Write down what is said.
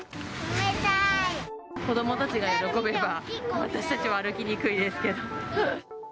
子どもたちが喜べば、私たちは歩きにくいですけど。